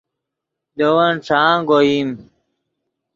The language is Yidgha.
لے ون ݯانگ اوئیم